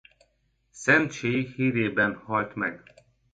Szentség hírében halt meg.